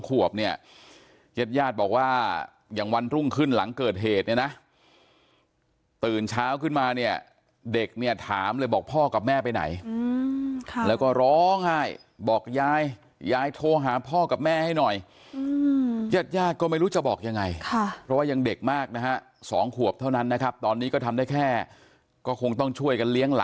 ขวบเนี่ยญาติญาติบอกว่าอย่างวันรุ่งขึ้นหลังเกิดเหตุเนี่ยนะตื่นเช้าขึ้นมาเนี่ยเด็กเนี่ยถามเลยบอกพ่อกับแม่ไปไหนแล้วก็ร้องไห้บอกยายยายโทรหาพ่อกับแม่ให้หน่อยญาติญาติก็ไม่รู้จะบอกยังไงค่ะเพราะว่ายังเด็กมากนะฮะ๒ขวบเท่านั้นนะครับตอนนี้ก็ทำได้แค่ก็คงต้องช่วยกันเลี้ย